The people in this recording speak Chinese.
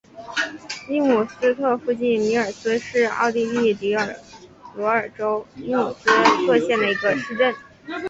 伊姆斯特附近米尔斯是奥地利蒂罗尔州伊姆斯特县的一个市镇。